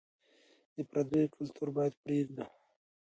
د پرديو کلتور بايد پرېږدو.